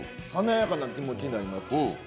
華やかな気持ちになります。